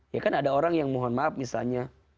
ya kan ada orang yang mohon maaf misalnya